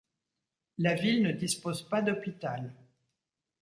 La ville ne dispose pas d'hopital.